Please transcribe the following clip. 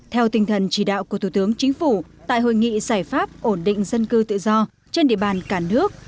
theo tinh thần chỉ đạo của thủ tướng chính phủ tại hội nghị giải pháp ổn định dân cư tự do trên địa bàn cả nước